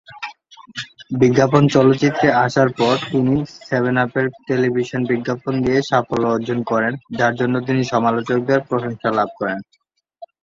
বিজ্ঞাপন চলচ্চিত্রের আসার পর, তিনি সেভেন আপের টেলিভিশন বিজ্ঞাপন দিয়ে সাফল্য অর্জন করেন, যার জন্য তিনি সমালোচকদের প্রশংসা লাভ করেন।